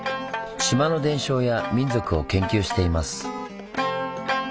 島の伝承や民俗を研究しています。